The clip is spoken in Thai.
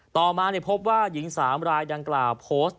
ต่อมาพบว่าหญิง๓รายดังกล่าวโพสต์